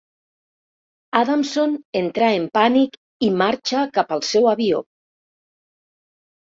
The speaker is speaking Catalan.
Adamson entra en pànic i marxa cap al seu avió.